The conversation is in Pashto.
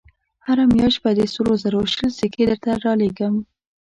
هره مياشت به د سرو زرو شل سيکې درته رالېږم.